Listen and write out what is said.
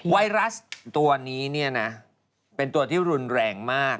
ไวรัสตัวนี้เนี่ยนะเป็นตัวที่รุนแรงมาก